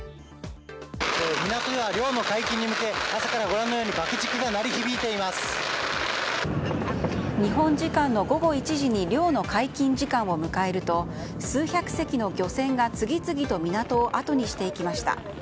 港では漁の解禁に向けてご覧のように朝から爆竹の音が日本時間の午後１時に漁の解禁時間を迎えると数百隻の漁船が次々と港を後にしていきました。